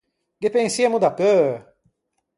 Ghe pensiemo dapeu!